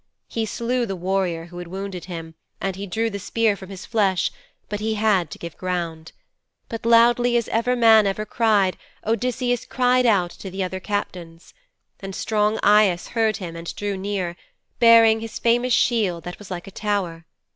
He slew the warrior who had wounded him and he drew the spear from his flesh, but he had to give ground. But loudly as any man ever cried, Odysseus cried out to the other captains. And strong Aias heard him and drew near, bearing his famous shield that was like a tower.